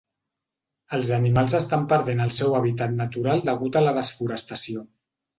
Els animals estan perdent el seu hàbitat natural degut a la desforestació.